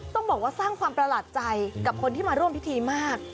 ต้องบอกว่าสร้างความประหลาดใจกับคนที่มาร่วมพิธีมาก